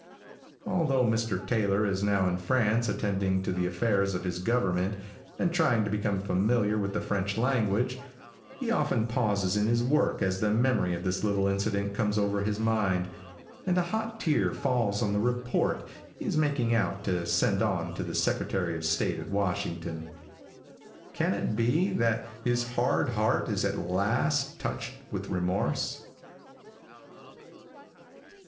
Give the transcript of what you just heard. Although Mr. Taylor is now in France attending to the affairs of his government, and trying to become familiar with the French language, he often pauses in his work as the memory of this little incident comes over his mind, and a hot tear falls on the report he is making out to send on to the Secretary of State at Washington. Can it be that his hard heart is at last touched with remorse?